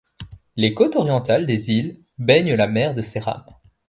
Les côtes orientales des îles baignent la mer de Seram.